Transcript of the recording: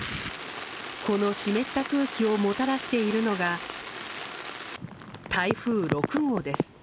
この湿った空気をもたらしているのが台風６号です。